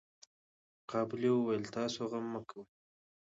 قابلې وويل تاسو غم مه کوئ.